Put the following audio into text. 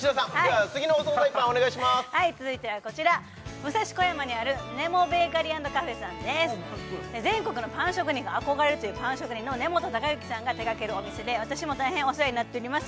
はい続いてはこちら全国のパン職人が憧れるというパン職人の根本孝幸さんが手掛けるお店で私も大変お世話になっております